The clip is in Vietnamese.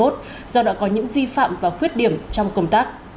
do đã có những vi phạm và khuyết điểm trong công tác